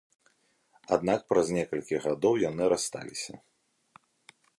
Аднак праз некалькі гадоў яны рассталіся.